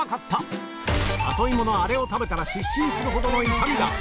実は里芋のアレを食べたら失神するほどの痛みが！